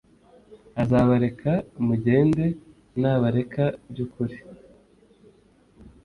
Azabareka mugende nabareka by ukuri